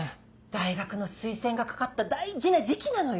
大学の推薦がかかった大事な時期なのよ？